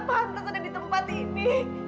anak saya nggak pantas ada di tempat ini